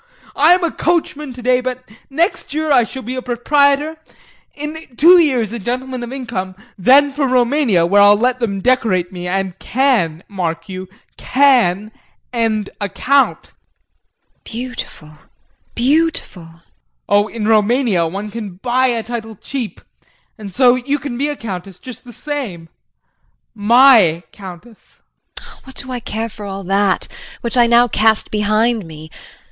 I'm a coachman today, but next year I shall be a proprietor, in two years a gentleman of income; then for Roumania where I'll let them decorate me and can, mark you, can end a count! JULIE. Beautiful, beautiful! JEAN. Oh, in Roumania, one can buy a title cheap and so you can be a countess just the same my countess! JULIE. What do I care for all that which I now cast behind me.